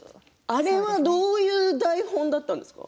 あれはどういう台本だったんですか？